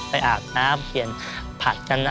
อาบน้ำเปลี่ยนผัดกันนะ